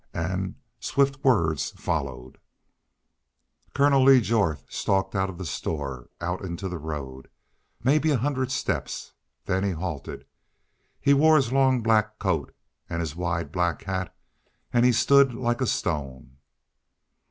And swift words followed: "Colonel Lee Jorth stalked out of the store out into the road mebbe a hundred steps. Then he halted. He wore his long black coat an' his wide black hat, an' he stood like a stone.